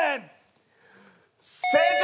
正解！